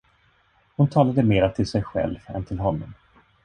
Hon talade mera till sig själv än till honom.